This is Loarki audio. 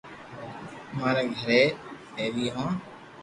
امري گھري تيوي ھو